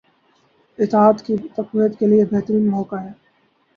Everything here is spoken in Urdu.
اتحاد کی تقویت کیلئے بہترین موقع ہے